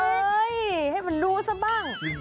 เฮ้ยให้มันรู้ซะบ้าง